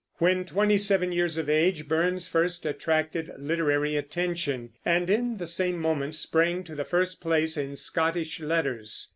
When twenty seven years of age Burns first attracted literary attention, and in the same moment sprang to the first place in Scottish letters.